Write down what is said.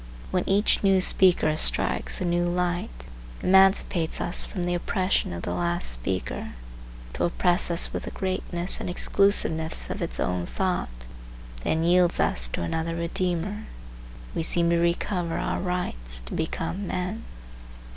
When each new speaker strikes a new light, emancipates us from the oppression of the last speaker, to oppress us with the greatness and exclusiveness of his own thought, then yields us to another redeemer, we seem to recover our rights, to become men.